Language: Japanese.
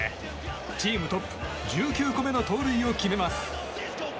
チームトップ１９個目の盗塁を決めます。